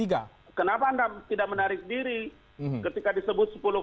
kenapa anda tidak menarik diri ketika disebut sepuluh